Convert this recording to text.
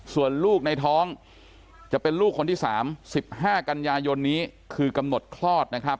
ส่วนลูกในท้องจะเป็นลูกคนที่๓๑๕กันยายนนี้คือกำหนดคลอดนะครับ